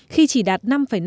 khi chỉ đạt năm năm mươi hai